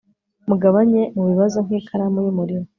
Mugabanye mubibazo nkikaramu yumuriro